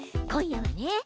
今夜はね